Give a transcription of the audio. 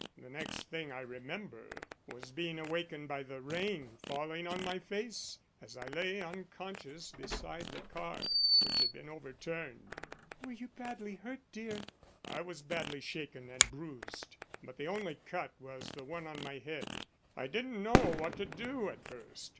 The next thing I remember was being awakened by the rain falling on my face as I lay unconscious beside the car, which had been overturned." "Were you badly hurt, dear?" "I was badly shaken and bruised, but the only cut was the one on my head. I didn't know what to do at first.